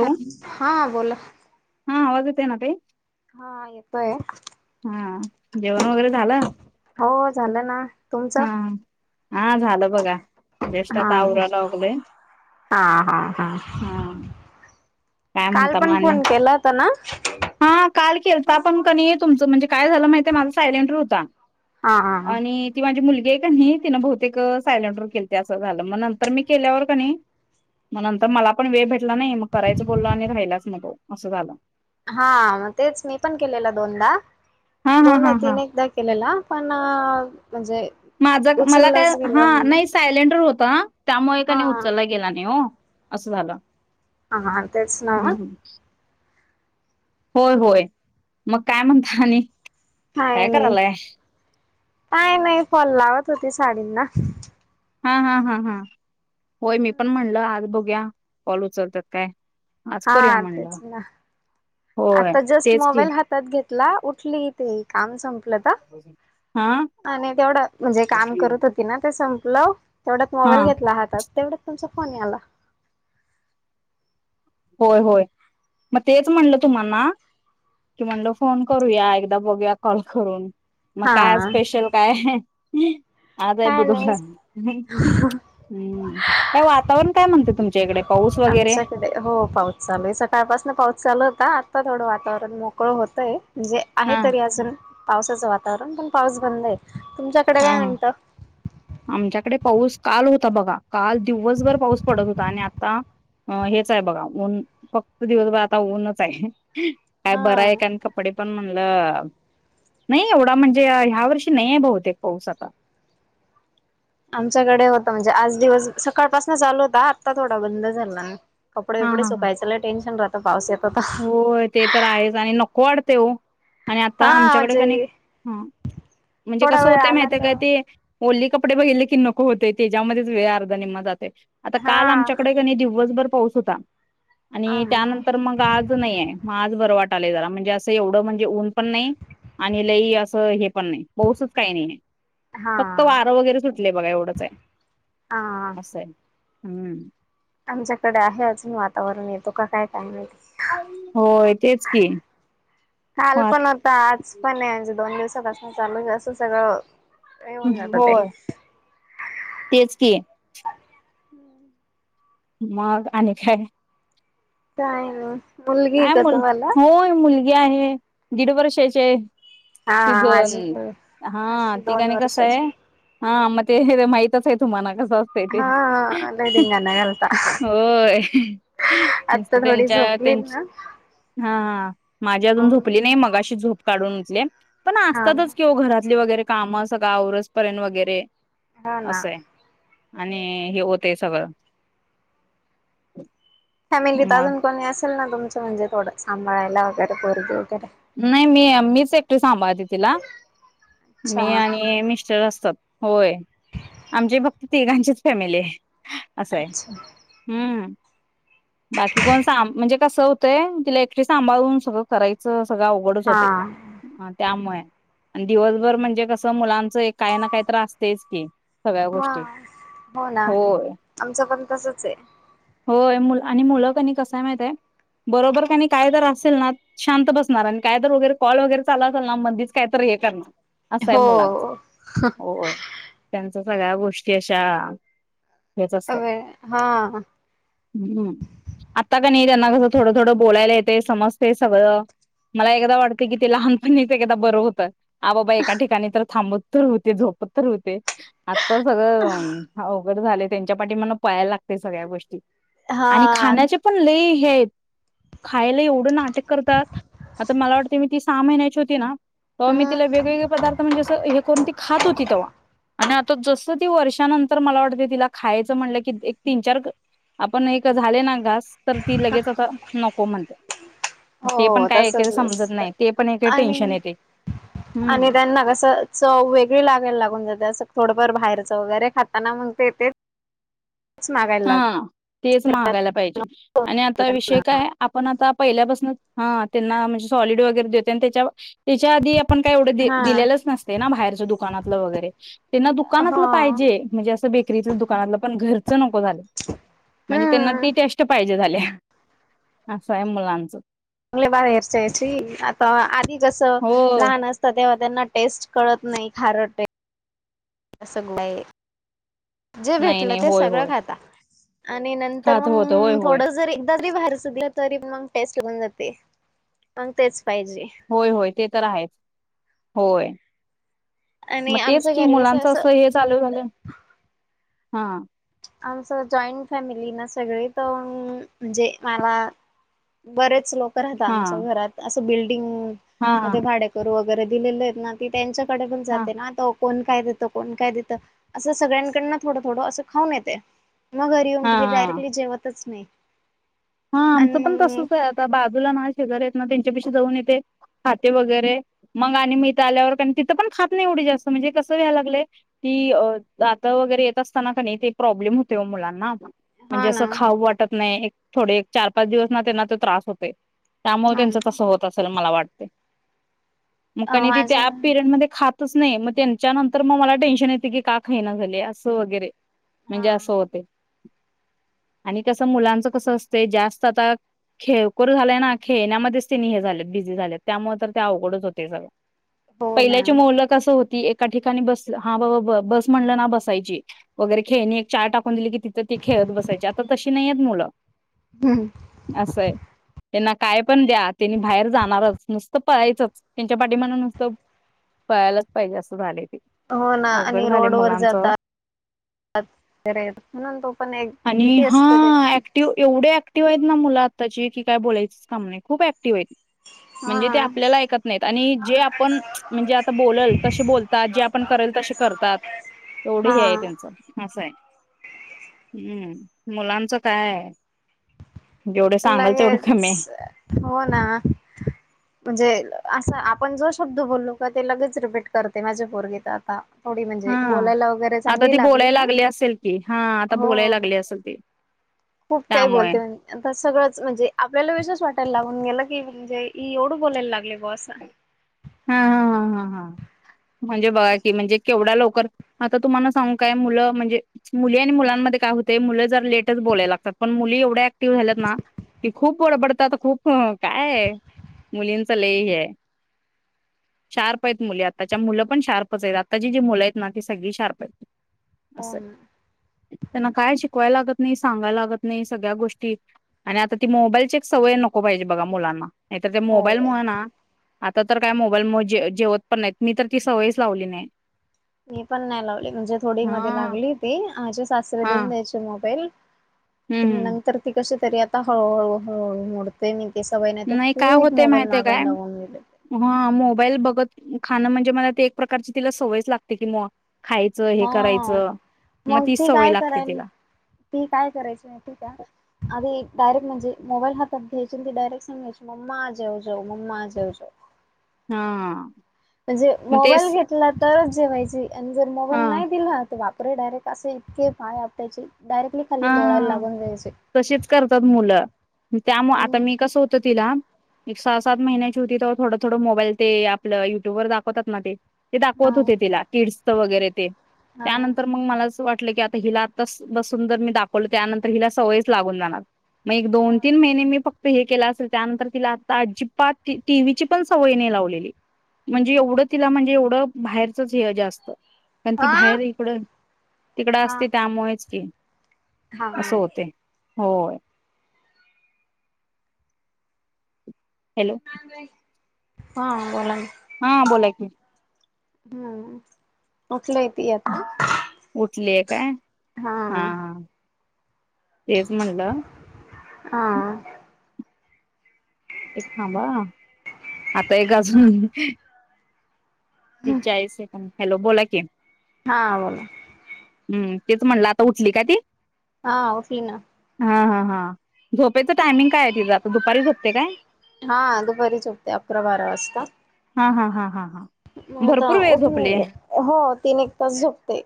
Hello हा बोला. हा आवाज येतोय ना ताई? हा येतोय हा, जेवण वगैरे झालं? हो झालं ना. तुमचं हा हा झालं बघा जेष्ठ हा आता आवरा लागलोय. हा हा हा, काय काल म्हणता मग पण आणि फोन केला होता ना? हा काल केलता पण कणी तुमचं म्हणजे काय झालं माहितयं माझा सायलेंट होता. हा हा हा आणि ती माझी मुलगी आहे का नाही तिनं बहुतेक सायलेंट वर केलीती असं झालं मग नंतर मी केल्यावर क नाही मग नंतर मला पण वेळ भेटला नाही मग करायचं बोललं आणि राहिलाच मी तो असं झालं. हा तेच मी पण केलेला दोनदा हा हा दोन हा नाही हा तीन एकदा केलेला पण म्हणजे माझं मला काय उचललाच हा गेला नाही सायलेंटवर होता त्यामुळे कनी उचलला हा गेला नाही ओ असं झालं. हा हा तेच ना हम्म होय होय, मग काय म्हणता आणि? काय नाही काय नाही फाॅल लावत होते साडींना. हा हा हा हा होय मी पण म्हणलं आज बघुया कॉल उचलत्यात काय. आज हा करूया म्हणलं तेच ना होय आता जस्ट तेच की मोबाईल हात हातात घेतला उठली ती काम संपलं हा आणि तेवढं म्हणजे काम करत हो ती ना ते संपलं, तेवढ्यात मोबाईल हा घेतला हातात, तेवढ्यात तुमचा फोन आला. होय होय मग तेच म्हणलं तुम्हा ना की म्हणलं फोन करूया एकदा बघूया कॉल करून, मग काय आज हा. स्पेशल? काय आहे आज आहे काय नाही बुधवार. हम्म काय वातावरण काय म्हणते तुमच्या इकडे पाऊस वगैरे? आमच्याकडे हो पाऊस चालू आहे, सकाळपासून पाऊस चालू होता, आत्ता थोडं वातावरण मोकळं होतंय. म्हणजे आहे हा तरी अजून, पावसाचं वातावरण पण पाऊस बंद आहे, तुमच्याकडे काय हा म्हणतं? आमच्याकडे पाऊस काल होता बघा. काल दिवसभर पाऊस पडत होता आणि आता अ हेच आहे बघा ऊन, फक्त दिवसभर आता ऊनच आहे काय बरं आहे हा. का कारण क पडे पण म्हणलं, नाही एवढा म्हणजे ह्या वर्षी नाहीये बहुतेक पाऊस आता. आमच्याकडे होता म्हणजे आज दिवस सकाळपासून चालू होता आत्ता थोडा बंद झाला. हा. कपडे हा बिपडे सुकायचं लई टेन्शन राहतं पाऊस येतो का. हो ते तर आहेच आणि नको वाटते ओ. आणि आता हा आमच्याकडे क नी म्हणजे हा म्हणजे थोडा कसं वेळ होतंय आला माहितीय का तर ते. ओली कपडे बघितले की नको होते त्याच्यामध्येच वेळ अर्धा निम्मा जाते. आता हा काल आमच्याकडे क नी दिवसभर पाऊस होता. आणि हा. त्यानंतर मग आज नाही आहे, मग आज बरं वाटाले जरा, म्हणजे असं एवढं म्हणजे ऊन पण नाही आणि लई असं हे पण नाही पाऊसच काही नाहीये. हा फक्त वारं वगैरे सुटलेय बघा एवढंच आहे हा असं आहे. हम्म. आमच्याकडे आहे अजून वातावरण येतो का काय काय माहिती? होय तेच की. मग आ ता आज पण आहे म्हणजे दोन दिवसापासनं चालू आहे असं सगळं येऊन जात ते होय तेच की. हम्म. मग आणि काय? काय नाही मुलगीय काय का मुल तुम्हाला? होय मुल गी आहे दीड वर्षाची आहे. हा तिज माझी न हा माझी दोन ठिकाणी कसंय वर्षाची हा मग ते माहितच आहे तुम्हाला कसं असते हा लय धिंगाणा घालता होय मस्त आत्ता थोडी त्यांच्या झोपली त्यांची ना हा हा माझी अजून झोपली हा नाही, मगाशी झोप काढून उठलीय. पण असतातच की ओ घरातली वगैरे कामं सगळं आवरसपर्यंत वगैरे हो ना असंय. आणि हे होते सगळं फॅमिलीत मग अजून कोणी असेल ना तुमचं? म्हणजे थोडं सांभाळायला वगैरे पोरगी वगैरे. नाही मी मीच एकटीच सांभाळते तिला. मी अच्छा आणि मिस्टर असतात‌. होय आमची फक्त तिघांचीच फॅमिली आहे असंय. अच्छा हम्म. बाकी कोण साम म्हणजे कसं होतंय, तिला एकटीला सांभाळून सगळं करायचं. सगळं उघडच होते. हा अ त्यामुळे आणि दिवसभर म्हणजे कसं मुलांचं काही ना काही तर आसतेच की. सगळ्या हा गोष्टी हो ना होय आमचं पण तसचंय. होय मु आणि मुलं क नी कसंय माहितेय बरोबर क नी काय तर असेल ना शांत बसणार. आणि काय तर वगैरे कॉल वगैरे चालू असेल ना मधीच काय तर हे करणार. असं आहे हो मुलांच. होय त्यांच सगळ्या गोष्टी अशा- - हेच असत. अवे हा हम्म आता का नाही त्यांना कसं थोडं थोडं बोलायला येतय समजतय सगळं. मला एकदा वाटते की ते लहानपणीच एकदा बरं होतं. आ बाबा एका ठिकाणी तर थांबत - - तर होते. झोपत तर होते. आता सगळं अवघड झालय त्यांच्या पाठीमागन पळायला लागतय सगळ्या गोष्टी. हा आणि खाण्याचे पण लई हे हाईत. खायाला एवढं नाटक करतात. आता मला वाटते मी ती सहा महिन्याची होती ना? तवा मी तिला हम्म वेगवेगळे पदार्थ म्हणजे असं हे करून ती खात होती तेव्हा. आणि आता जसं ती वर्षानंतर मला वाटतय तिला खायचं म्हणलं की एक तीन चार आपण एक झालय ना घास तर ती लगेच आता नको म्हणत्या. ते पण हो काय एकेकदा तसच समजत असत. नाही ते पण एक आणि टेन्शन येते. हम्म. -आणि काय ना कसं चव वेगळी लागाय लागून जाते असं थोडंफार बाहेरचं वगैरे खाताना मग ते तेेच हा तेच महागायला पाहिजे. आणि आता त्यांना विषय काय? आपण आता पहिल्यापासून हा त्यांना म्हणजे सॉलिड वगैरे देतय आणि त्याच्या त्याच्या आधी आपण काय एवढं दि हा दिलेलंच नसतय ना? बाहेरचं दुकानातलं वगैरे. तेंना हो दुकानातलं पाहिजे. म्हणजे अस बेकरीतल दुकानांतल पण घरचं नको झालय म्हणजे त्यांना हम्म ती टेस्ट ट पाहिजे झाल्या. असं आहे मुलांचं. चांगल्या बाहेरच्या याची आता आधी कसं हो लहान अस त तेव्हा त्यांना टेस्ट कळत नाही. खारट हाय अ सगलाय जे नाही नाही भेटलं ते होय सगळं होय खाता. आणि नंतर खात होत होय मंग होय थोडं जरी एकदा जरी बाहेरच दिलात तरी मग टेस्ट होऊन जाते. मग तेच पाहिजे. होय होय. ते तर आहेच होय. आणि मग तेच आमचं कि घर कसं मुलांच असं हे चालू झालं. हा. आमच जॉईंट फॅमिली ना? सगळी तं म्हणजे माला बरेच लोक राहता हा आमच्या घरात. असं बिल्डिंग हा हा मध्ये भाडेकरू वगैरे दिलेले आहेत ना? ती त्यांच्याकडे पण हा जाते ना? तव कोण काय देतं. कोण काय देतं. असं सगळ्यांकडन थोडं थोडं असं खाऊन येते. मग घरी येऊन ति हा डायरेक्टली जेवतच नाही. हा आमचं पण आणि तसच आहे आता बाजूला माझ शे घर आहेत ना त्यांच्यापशी जाऊन येते. खाते वगैरे. मग आणि मी इथ आल्यावरण तिथं पण खात नाही एवढी जास्त म्हणजे कस व्हाय लागलय. ती दातं वगैरे येत असताना का नाही? ते प्रॉब्लेम होतय ओ मुलांना. मग हा म्हणजे ना असं खाऊ वाटत नाही. एक थोडे चार -पाच दिवस ना त्यांना ते त्रास होतय. त्यामुळ त्यांच तस हा होत असेल मला वाटतय. मग कणी ती माझ त्या पिरड मध्ये खात च नाही मग त्यांच्या नंतर मग मला टेन्शन येत की का खाईना झाल्या? असं वगैरे. हा म्हणजे असं होतय आणि कसं मुलांचं कसं असतय जास्त आता खेळकूर झालय ना? खेळण्यामध्येच तेनि हे झालय बिझी झाल्यात. त्यामुळे तर ते अवघडच होतय सगळं. हो ना पहिल्याची मोलं कस होती एका ठिकाणी बसल हा बाबा बस म्हणलं ना बसायची. वगैरे खेळणी एक चार टाकून दिली की तिथं ती खेळत बसायची. आता तशी नाहीयेत मुलं. हम्. असं आहे. त्यांना काय पण द्या. त्यांनी बाहेर जाणारच. नुसतं पळायचंच. त्यांच्या पाठीमागन नुसतं पळायलाच पाहिजे. असं झालय ते. हो ना अवघड आणि झालंय रोड वर मुलांचं. जातात. [inaudible] म्हणून तो पण एक आणि भीती हा असते. ऍक्टिव्ह एवढे ऍक्टिव्ह आहेत ना मुलं आताची की, काय बोयच काम नाही खूप क्टिव्ह आहेत. म्हणजे ते हा आपल्याला ऐकत नाहीत आणि जे आपण म्हणजे आता बोलाल तसे बोलतात जे आपण करेल तसे करत. तात तेवढं हे आहे हा त्यांच असं आहे. हम्म, मुलांचं काय आहे. लगेच कमी आहे हो ना. म्हणजे असं आपण जो शब्द बोललो का ते लगेच रिपीट करते माझ्या पोरगी तर आता. थोडी म्हणजे हा बोलायला वगैरे आता चांगली ती लागली बोलायला ना हो. तसं ते. खूप काही बोलते. आता सगळंच म्हणजे आपल्याला विशेष वाटायला लागून गेलं की, म्हणजे एवढं बोलायला लागले बुवा अस. हा ह ह हा, म्हणजे बघा कि म्हणजे केवढा लवकर. आता तुम्हांला सांगू काय मुलं म्हणजे. मुली आणि मुलांमध्ये काय होते. मुलं जर लेटच बोलायला लागतात पण मुली एवढ्या ऍक्टिव्ह झाल्यात ना. कि, खूप बडबडतात खूप काय मुलींच लई हे आहे. शार्प आहेत मुली आताच्या मुलं पण शार्पच आहेत. आत्ताची जी मुलं आहेत ना ती सगळी शार्प आहेत. हो असं हाय. ना त्यांना काय शिकवायला लागत नाही सांगायला लागत नाही सगळ्या गोष्टी. आणि आता ती मोबाईलची एक सवय नको पाहिजे बघा मुलांना नाही तर त्या हो मोबाईल बाई. मुळंना आता. तर काय मोबाईल मुळं जे-जेवत पण नाहीत मी तर ती सवयच लावली नाही. ''मी पण नाही लावली म्हणजे थोडी मध्ये हा लागली होती. आजे सासरे हा देऊन द्यायचे मोबाईल. हम्म नंतर ती कशी तरी आता हळूहळू-हळूहळू मोडत. ते नेमके सवय नाही तो काय खूप होते मोबाईल माहितीय नादाला काय लावून घेतंय. हा, मोबाईल बघत खाणं म्हणजे मला ते एक प्रकारची तिला सवयच लागते की मो ''--'' खायचं हे हा करायचं मग ती सवय लागते तिला. ती काय करायची माहितीय का? आधी डायरेक्ट म्हणजे मोबाईल हातात घ्यायची ती डायरेक्ट सांगायची मम्मा जेव जेव मम्मा जेव जेव. ''हां'' म्हणजे मोबाईल घेतला तरच जेवायची आणि जर मोबाईल हा नाही दिला तर बाप. रे डायरेक्ट असे इतके पाय आपटायची डायरेक्टली खाली लोळायला लागून जायची. तशीच करतात मुलं त्यामुळं आता मग मी कसं होतं तिला. एक सहा-सात महिन्याची होती. तवा थोडं थोडं मोबाईल ते आपलं युट्यूब वर दाखवतात ना ते. ते हा दाखवत होते तिला किड्सचं वगैरे ते हा त्यानंतर मगं मला. अस वाटलं की, आता हिला आताच बसून सुंदर जर मी दाखवल त्यानंतर हिला सवयच लागून जाणार. मग एक दोन-तीन महिने मी फक्त. हे केलं असेल त्यानंतर तिला आता अजिबात टीव्हीची पण सवय नाही लावलेली. म्हणजे एवढं तिला म्हणजे एवढं बाहेरचंच हेय जास्त. पण ती हा बाहेर इकडं-तिकडं हा असते त्यामुळेच की, हा असं होतेय होय. हॅलो, हा, बोला की, हा, बोला की, हम्म, उठलय ती आता उठलीय काय हा, तेच म्हणलं [inaudible] हां एक थांबा हं, आता एक अजून तीस-चाळीस सेकंद, हॅलो बोला की. हा बोला. हम्, तेच म्हणलं आता उठली का ती? हा उठली ना. हं, हं, हं, झोपेचं टायमिंग काय आहे तिचं. आता दुपारी झोपते काय? हा दुपारीच झोपते, अकरा-बारा वाजता. हा, हा, हा, हा, हां. म आता उठून, हो तीन एक तास झोपते.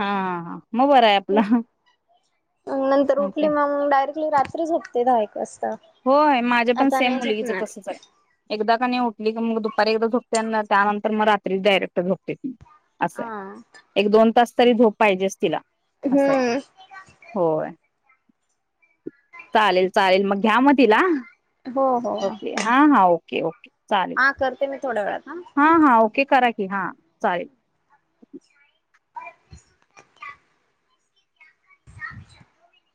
हा. मग बरं आहे आप मंग नंतर उठली काय मग, डायरेक्टली रात्री झोपते दहा एक वाजता. होय, माझ्या पण आता सेम नाही मुलगीच झोपणार तसंच आहे. एकदा का नाही उठली की, मग दुपारी एकदा झोपते. आणि त्यानंतर मग रात्रीच डायरेक्ट झोपते.. हा असंय. एक, दोन, तास तरी झोप पाहिजेच तिला असंय हम्म होय. चालेल, चालेल मग घ्या मंग तिला. हो, हो, हं. ओके हा हा ओके ओके चालेल. हा करते मी थोड्या वेळात हं. हां हा ओके करा की, हा चालेल. [inaudible]